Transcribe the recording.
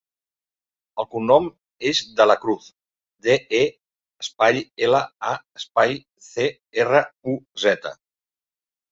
El cognom és De La Cruz: de, e, espai, ela, a, espai, ce, erra, u, zeta.